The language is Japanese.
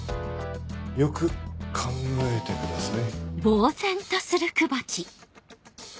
よく考えてください。